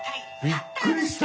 びっくりした！